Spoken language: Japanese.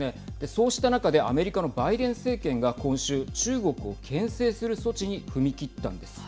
そうした中でアメリカのバイデン政権が今週中国をけん制する措置に踏み切ったんです。